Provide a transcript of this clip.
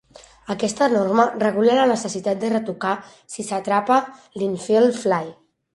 Aquesta norma regula la necessitat de retocar, si s'atrapa l'"Infield fly".